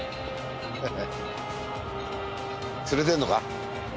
釣れてんのか？